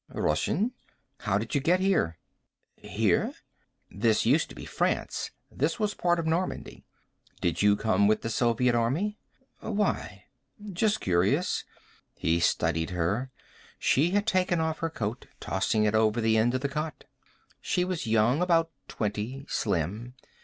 "Russian." "How did you get here?" "Here?" "This used to be France. This was part of Normandy. Did you come with the Soviet army?" "Why?" "Just curious." He studied her. She had taken off her coat, tossing it over the end of the cot. She was young, about twenty. Slim.